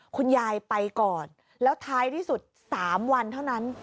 คุณยายไปก่อนแล้วท้ายที่สุด๓วันเท่านั้น